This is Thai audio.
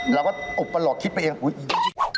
เราก็อุปโลกคิดไปเองอุ๊ยอี